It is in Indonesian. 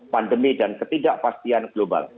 pandemi dan ketidakpastian global